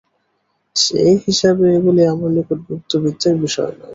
সে-হিসাবে এগুলি আমার নিকট গুপ্তবিদ্যার বিষয় নয়।